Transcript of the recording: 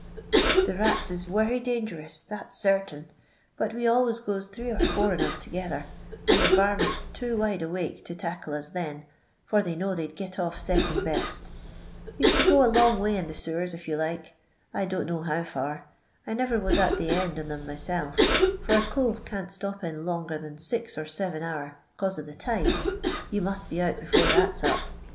" The rata is wery danserons, that 's sartain, but we always goes three or nmr on us together, and the varmint 's too wide awake to tackle us then, for they know they 'd git off second best. Ton can go a long way in the sewers if you like ; I don't know how fiir. I niver was at the end on them myself, for a cove can't stop in longer than six or seven hour, 'cause of the tide; you must be out before that 's up.